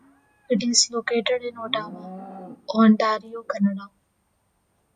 It is located in Ottawa, Ontario, Canada.